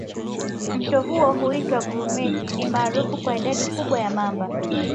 Mto huo huitwa Grumeti ni maarufu kwa idadi kubwa ya mamba